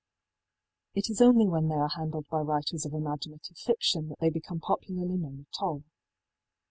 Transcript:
It is only when they are handled by writers of imaginative fiction that they become popularly known at all.